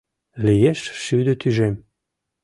Лиеш шӱдӧ тӱжем...